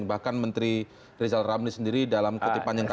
bahkan menteri rizal ramli sendiri dalam kondisi yang demikian